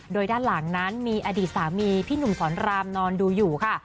โดยด้านหลังนั้นมีอดีตสามีพี่หนุ่มสอนรามนอนดูอยู่ค่ะ